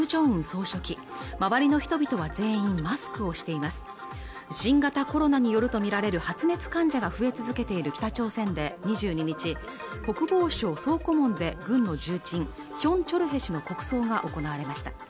総書記周りの人々は全員マスクをしています新型コロナによるとみられる発熱患者が増え続けている北朝鮮で２２日国防省総顧問で軍の重鎮ヒョン・チョルヘ氏の国葬が行われました